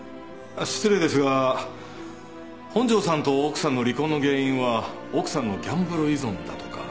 失礼ですが本庄さんと奥さんの離婚の原因は奥さんのギャンブル依存だとか。